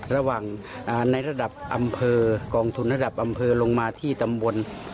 ระหว่างในระดับอำเภอกองทุนระดับอำเภอลงมาที่ตำบล